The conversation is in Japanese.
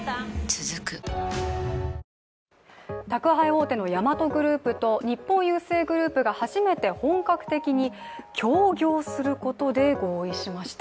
続く宅配大手のヤマトグループと日本郵政グループが初めて本格的に協業することで合意しました。